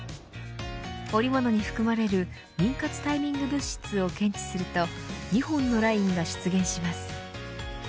おりものに含まれる妊活タイミング物質を検知すると２本のラインが出現します。